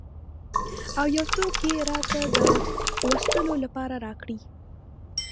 او یو څوک یې راته د لوستلو لپاره راکړي.